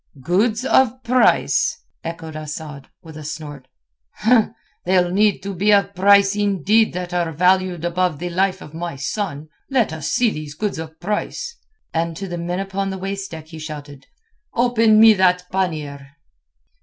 "Goods of price?" echoed Asad, with a snort. "They'll need to be of price indeed that are valued above the life of my son. Let us see these goods of price." And to the men upon the waist deck he shouted, "Open me that pannier."